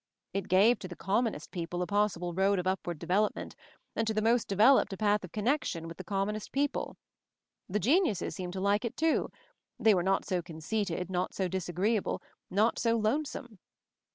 It gave to the commonest people a possible road of up ward development, and to the most devel oped a path of connection with the com MOVING THE MOUNTAIN 229 monest people. The geniuses seemed to like it too. They were not so conceited, not so disagreeable, not so lonesome.